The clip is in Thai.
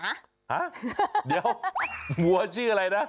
ฮะเดี๋ยววัวชื่ออะไรนะ